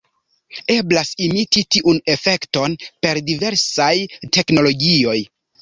Eblas imiti tiun efekton per diversaj teknologioj.